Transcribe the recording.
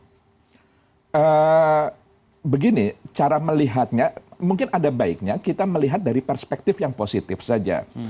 jadi begini cara melihatnya mungkin ada baiknya kita melihat dari perspektif yang positif saja